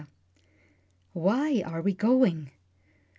Why are we going?